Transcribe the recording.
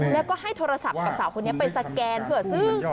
แล้วก็ให้โทรศัพท์กับสาวคนนี้ไปสแกนเพื่อซื้อ